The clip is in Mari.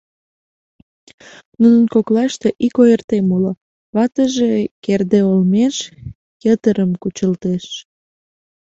Нунын коклаште ик ойыртем уло: ватыже керде олмеш йытырым кучылтеш.